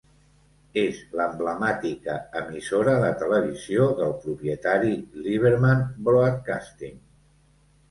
És l'emblemàtica emissora de televisió del propietari Liberman Broadcasting.